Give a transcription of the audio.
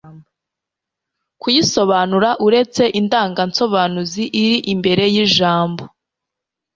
kuyisobanura uretse indanga nsobanuzi iri imbere y ijambo